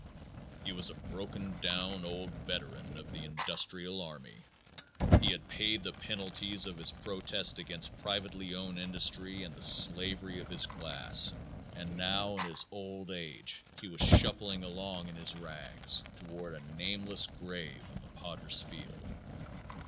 He was a broken down old veteran of the industrial army. He had paid the penalties of his protest against privately owned industry and the slavery of his class, and now in his old age he was shuffling along in his rags toward a nameless grave in the pottersfield.